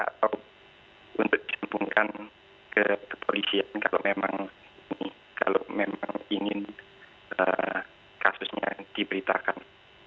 atau untuk disempurkan ke kepolisian kalau memang ini kalau memang ingin kasusnya diberitakan